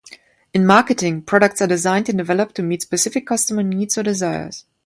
In marketing, products are designed and developed to meet specific customer needs or desires.